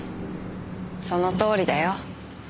そのとおりだよ。